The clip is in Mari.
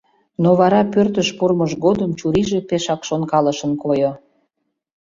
Но вара пӧртыш пурымыж годым чурийже пешак шонкалышын койо.